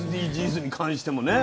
ＳＤＧｓに関してもね。